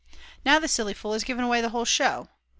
Now the silly fool has given away the whole show.